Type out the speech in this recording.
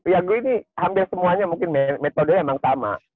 ya gue ini hampir semuanya mungkin metode memang sama